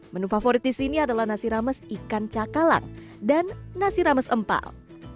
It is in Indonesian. menu favorit di sini adalah nasi rames ikan cakalang dan nasi rames empal